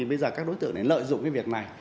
bây giờ các đối tượng lợi dụng việc này